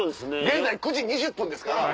現在９時２０分ですから。